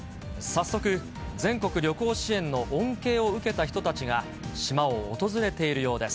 早速全国旅行支援の恩恵を受けた人たちが、島を訪れているようで